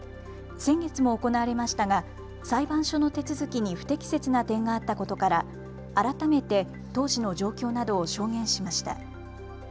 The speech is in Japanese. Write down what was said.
先月も行われましたが裁判所の手続きに不適切な点があったことから改めて当時の状況などを証言しました。